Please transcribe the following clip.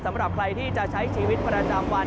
สำหรับใครที่จะใช้ชีวิตประจำวัน